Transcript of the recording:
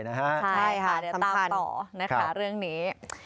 ใช่ตามต่อเรื่องนี้